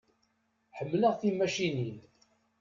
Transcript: Ḥemmleɣ timacinin.